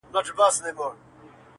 له پاڼو تشه ده ویجاړه ونه-